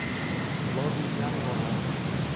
ڤڵۆگی ژیانی ڕۆژانەم